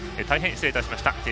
大変失礼いたしました。